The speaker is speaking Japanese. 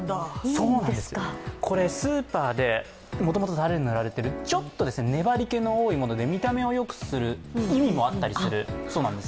これ、スーパーでもともとたれがぬられている、ちょっと粘り気の多いもので見た目をよくする意味もあったりするそうなんです。